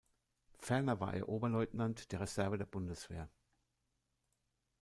Ferner war er Oberleutnant der Reserve der Bundeswehr.